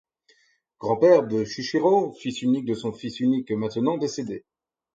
Grand-père de Shuichirô, fils unique de son fils unique maintenant décédé.